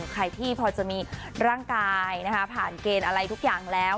ใครที่พอจะมีร่างกายผ่านเกณฑ์อะไรทุกอย่างแล้ว